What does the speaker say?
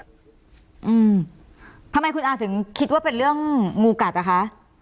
อืมทำไมคุณอาถึงคิดว่าเป็นเรื่องงูกัดอ่ะคะ